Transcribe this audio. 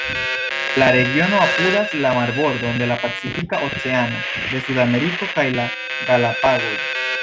La regiono apudas la marbordon de la Pacifika Oceano de Sudameriko kaj la Galapagoj.